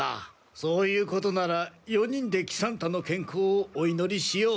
そういうことなら４人で喜三太の健康をお祈りしよう。